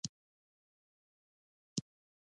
هغه په کتاب کې یو شی ولید.